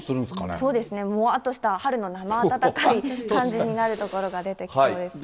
そうですね、もわっとした春のなま暖かい感じになる所が出てきそうですね。